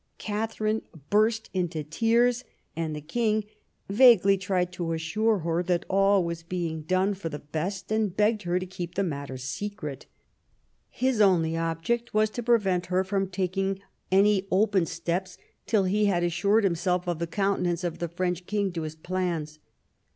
Katharine burst into tears, and the king vaguely tried to assure her that all was being done IX THE KING'S DIVORCE • 155 for the best, and begged her to keep the matter secret. His only object was to prevent her from taking any open steps till he had assured himself of the countenance of the French king to his plans.